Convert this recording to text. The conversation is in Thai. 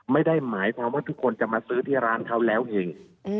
ไม่ได้หมายความว่าทุกคนจะมาซื้อที่ร้านเขาแล้วเอง